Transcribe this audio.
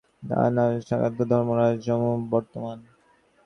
যুধিষ্ঠির দেখিলেন, সেখানে কুকুর নাই, তাহার স্থানে সাক্ষাৎ ধর্মরাজ যম বর্তমান।